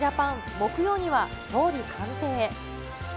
木曜には、総理官邸へ。